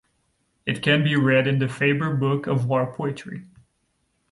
It can be read in "The Faber Book of War Poetry".